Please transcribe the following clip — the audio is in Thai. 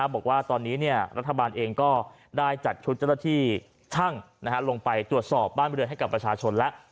บอกว่าตอนนี้รัฐบาลเองก็ได้จัดชุดเจ้าหน้าที่ช่างลงไปตรวจสอบบ้านบริเวณให้กับประชาชนแล้ว